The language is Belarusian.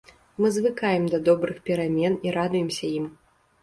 Мы звыкаем да добрых перамен і радуемся ім.